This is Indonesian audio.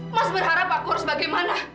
mas berharap aku harus bagaimana